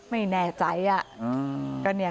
ไม่แน่ใจอะ